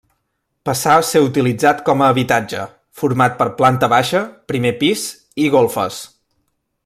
Passà a ser utilitzat com a habitatge, format per planta baixa, primer pis i golfes.